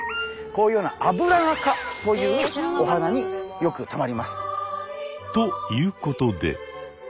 こういうようなアブラナ科というお花によくとまります。ということで。